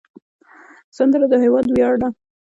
سندره د هیواد ویاړ دی